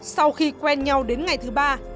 sau khi quen nhau đến ngày thứ ba